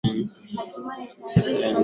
ii tunajikita kwa mazoezi ya viungo kila siku